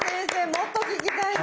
もっと聞きたいね。